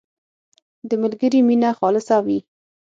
• د ملګري مینه خالصه وي.